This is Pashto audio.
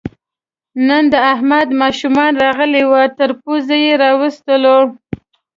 نن د احمد ماشومان راغلي وو، تر پوزې یې راوستلو.